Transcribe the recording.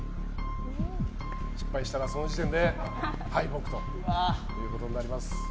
失敗したらその時点で敗北ということになります。